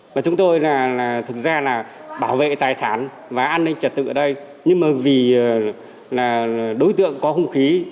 và chúng tôi là thực ra là bảo vệ tài sản và an ninh trật tự ở đây nhưng mà vì là đối tượng có hung khí